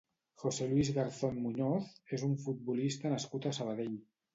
José Luis Garzón Muñoz és un futbolista nascut a Sabadell.